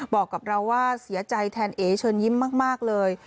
บอกกับเราว่าเสียใจแทนเอ๋เชิญยิ้มมากเลย